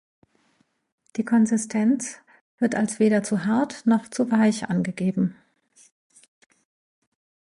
Die Konsistenz wird als weder zu hart noch zu weich angegeben.